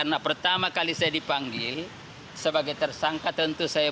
tentu saya berpikir